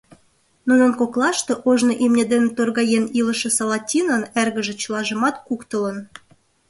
Нунын коклаште ожно имне дене торгаен илыше Салатинын эргыже чылажымат куктылын.